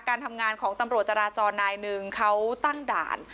การทำงานของตำรวจจราจรนายหนึ่งเขาตั้งด่าน